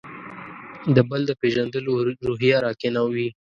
د «بل» د پېژندلو روحیه راکې نه وي.